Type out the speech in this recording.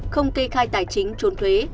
không kê khai tài chính trốn thuế